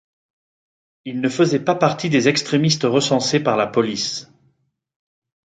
Il ne faisait pas partie des extrémistes recensés par la police.